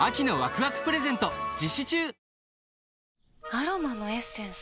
アロマのエッセンス？